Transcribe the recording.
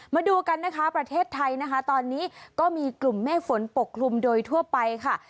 มาดูกันนะคะประเทศไทยนะคะตอนนี้ก็มีกลุ่มเมฆฝนปกคลุมโดยทั่วไปค่ะ